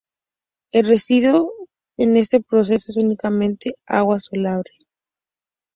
El residuo en este proceso es únicamente agua salobre.